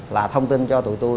là thông tin cho tụi tôi